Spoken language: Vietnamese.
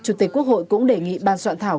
chủ tịch quốc hội cũng đề nghị ban soạn thảo